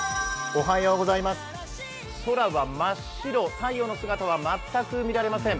空は真っ白、太陽の姿は全く見られません。